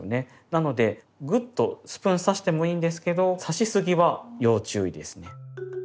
なのでグッとスプーン刺してもいいんですけど刺しすぎは要注意ですね。